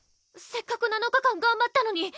せっかく７日間頑張ったのに。